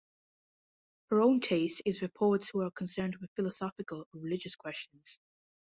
Her own taste is for poets who are concerned with philosophical or religious questions.